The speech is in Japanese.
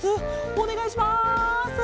おねがいします。